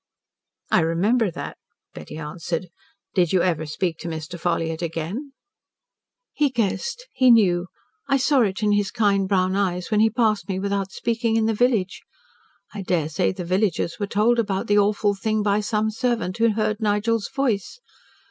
"I remember that," Betty answered. "Did you ever speak to Mr. Ffolliott again?" "He guessed he knew I saw it in his kind, brown eyes when he passed me without speaking, in the village. I daresay the villagers were told about the awful thing by some servant, who heard Nigel's voice.